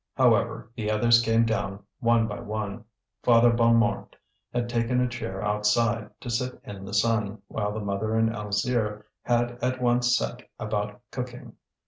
However, the others came down one by one. Father Bonnemort had taken a chair outside, to sit in the sun, while the mother and Alzire had at once set about cooking.